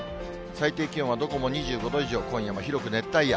最低気温はどこも２５度以上、今夜も広く熱帯夜。